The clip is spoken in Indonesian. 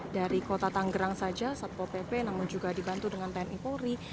dari kota tanggerang saja satpo pp namun juga dibantu dengan tni polri